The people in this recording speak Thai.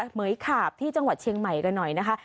เหมือยขาบที่จังหวัดเชียงใหม่กันหน่อยนะคะ